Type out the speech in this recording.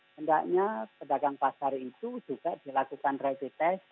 hendaknya pedagang pasar itu juga dilakukan rapid test